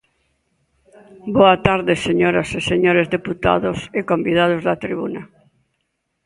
Boa tarde, señoras e señores deputados e convidados da tribuna.